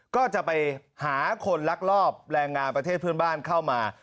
ก็จะไปหาคนลักลอบแรงงานประเทศเพื่อนบ้านเข้ามา